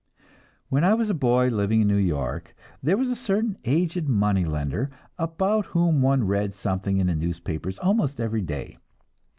When I was a boy, living in New York, there was a certain aged money lender about whom one read something in the newspapers almost every day.